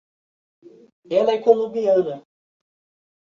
Ela é colombiana